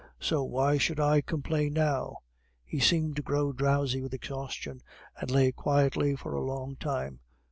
"So why should I complain now?" He seemed to grow drowsy with exhaustion, and lay quietly for a long time.